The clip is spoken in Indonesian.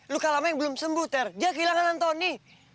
luka lama yang belum sembuh dia kehilangan antoni